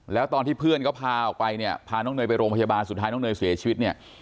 แล้วตอนที่เพื่อนเขาพาออกไปเนี่ยพาน้องเนยไปโรงพยาบาลสุดท้ายน้องเนยเสียชีวิตเนี่ย